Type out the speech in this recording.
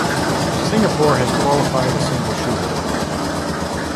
Singapore has qualified a single shooter.